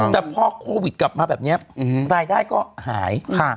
แต่พอโควิดกลับมาแบบนี้รายได้ก็หาย